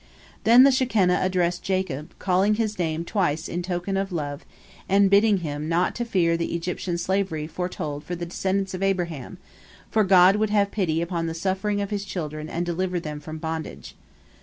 " Then the Shekinah addressed Jacob, calling his name twice in token of love, and bidding him not to fear the Egyptian slavery foretold for the descendants of Abraham, for God would have pity upon the suffering of his children and deliver them from bondage.